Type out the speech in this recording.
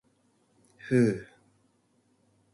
ふう。